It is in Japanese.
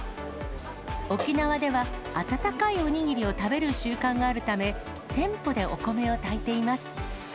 沖縄では、温かいおにぎりを食べる習慣があるため、店舗でお米を炊いています。